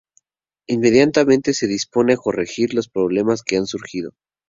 Inmediatamente se dispone a corregir los problemas que han surgido.